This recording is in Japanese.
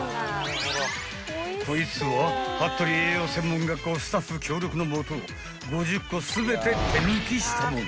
［こいつは服部栄養専門学校スタッフ協力の下５０個全て手むきしたもの］